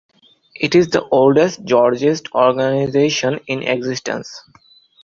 It is the oldest Georgist organization in existence.